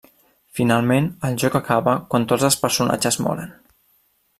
Finalment, el joc acaba quan tots els personatges moren.